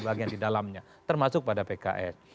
bagian di dalamnya termasuk pada pks